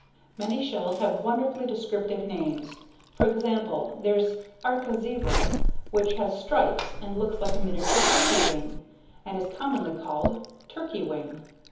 Many shells have wonderfully descriptive names. For example, there's ARCA ZEBRA, which has stripes and looks like a miniature turkey wing and is commonly called Turkey Wing.